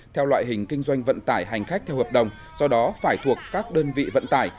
theo loại hình kinh doanh vận tải hành khách theo hợp đồng do đó phải thuộc các đơn vị vận tải